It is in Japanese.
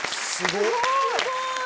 すごい。